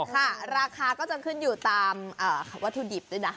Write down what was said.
ค่ะราคาก็จะขึ้นอยู่ตามวัตถุดิบด้วยนะ